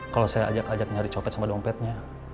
kalau saya ajak ajak nyari copet sama dompetnya